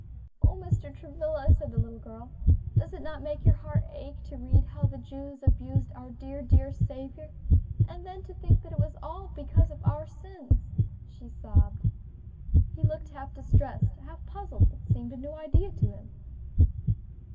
"O Mr. Travilla!" said the little girl, "does it not make your heart ache to read how the Jews abused our dear, dear Saviour? and then to think that it was all because of our sins," she sobbed. He looked half distressed, half puzzled; it seemed a new idea to him.